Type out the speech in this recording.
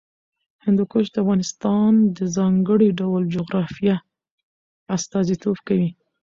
هندوکش د افغانستان د ځانګړي ډول جغرافیه استازیتوب کوي.